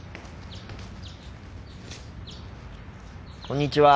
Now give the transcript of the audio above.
こんにちは。